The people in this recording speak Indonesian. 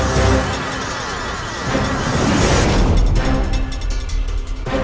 mas rasha tunggu